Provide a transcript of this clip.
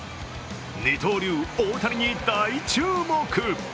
二刀流・大谷に大注目。